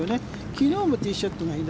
昨日もティーショットが左。